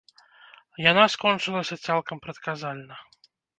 Яна скончылася цалкам прадказальна.